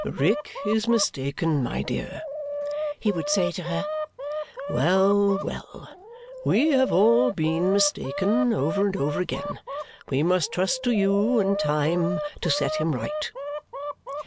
"Rick is mistaken, my dear," he would say to her. "Well, well! We have all been mistaken over and over again. We must trust to you and time to set him right."